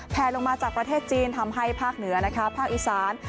ลงมาจากประเทศจีนทำให้ภาคเหนือนะคะภาคอีสาน